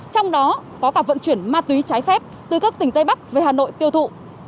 trong đó có cả vận chuyển ma túy trái phép từ các tỉnh tây bắc về hà nội tiêu thụ